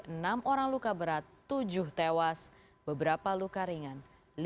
enam orang luka berat tujuh tewas beberapa luka ringan